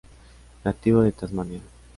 Nativo de Tasmania.